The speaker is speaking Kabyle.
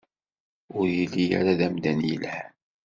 Ur yelli ara d amdan yelhan.